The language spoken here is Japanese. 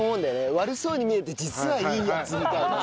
悪そうに見えて実はいいヤツみたいなさ。